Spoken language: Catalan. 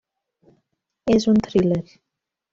És un thriller.